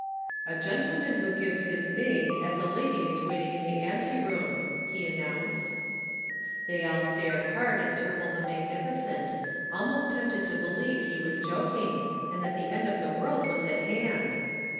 "A gentleman who gives his name as a lady is waiting in the ante room," he announced. They all stared hard at Turple the magnificent, almost tempted to believe he was joking and that the end of the world was at hand.